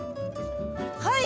はい！